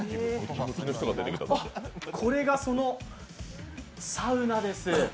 あっ、これがそのサウナです。